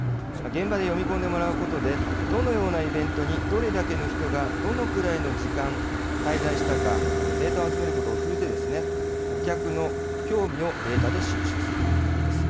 現場で読み込んでもらうことで、どのようなイベントに、どれだけの人が、どのくらいの時間滞在したか、データを集めることを通じて、顧客の興味をデータで収集するということです。